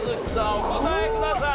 お答えください。